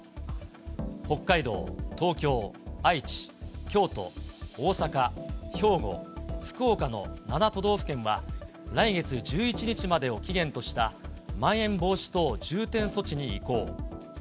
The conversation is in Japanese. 北海道、東京、愛知、京都、大阪、兵庫、福岡の７都道府県は来月１１日までを期限とした、まん延防止等重点措置に移行。